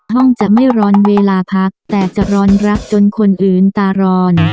ห้องจะไม่ร้อนเวลาพักแต่จะร้อนรักจนคนอื่นตาร้อน